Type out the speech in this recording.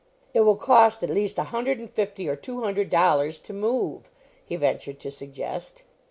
"It will cost at least a hundred and fifty or two hundred dollars to move," he ventured to suggest.